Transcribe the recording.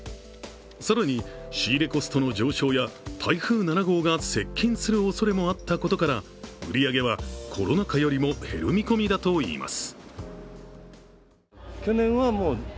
更に、仕入れコストの上昇や台風７号が接近するおそれもあったことから売り上げはコロナ禍よりも減る見込みだといいます。